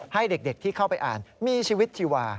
ให้เด็กที่เข้าไปอ่านมีชีวิตชีวา